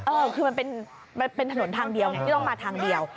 เออคือมันเป็นถนนทางเดียวไงที่ต้องมาทางเดียว